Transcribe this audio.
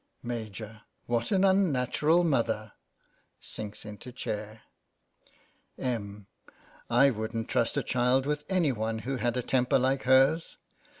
Maj, : What an unnatural mother ! (Sinks into chair.) Em, : I wouldn't trust a child with any one who had a temper like hers.